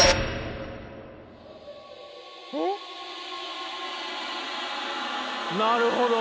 えっ⁉なるほど。